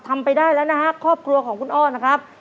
ไปได้แล้วนะฮะครอบครัวของคุณอ้อนะครับ